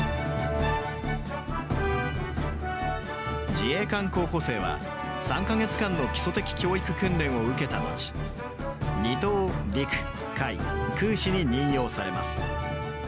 自衛官候補生は３か月間の基礎的教育を受けた後２等陸海空士に任用されます。